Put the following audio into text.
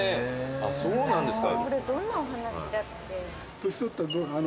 そうなんですか。